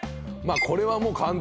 これは、もう簡単。